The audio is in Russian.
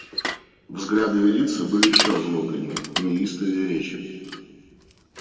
Взгляды и лица были еще озлобленнее и неистовее речи.